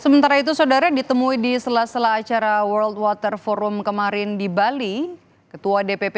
sementara itu saudara ditemui di sela sela acara world water forum kemarin di bali ketua dpp